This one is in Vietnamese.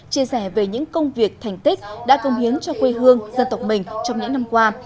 chia sẻ về những công việc thành tích đã công hiến cho quê hương dân tộc mình trong những năm qua